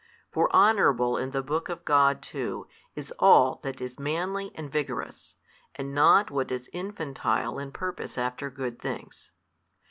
For honourable in the book of God too is all that is manly and vigorous, and not what is infantile in purpose after good things.